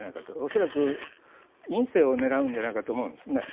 恐らく院政を狙うんじゃないかと思うんですね。